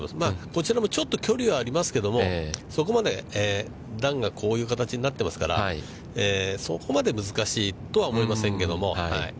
こちらも、ちょっと距離はありますけれども、そこまで段がこういう形になっていますからそこまで難しいとは思いませんけども。